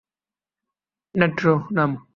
Nitro, নাম।